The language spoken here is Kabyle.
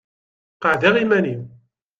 Qeɛdeɣ iman-iw.